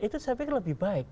itu saya pikir lebih baik